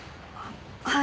はい。